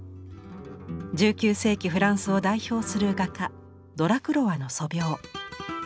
１９世紀フランスを代表する画家ドラクロワの素描。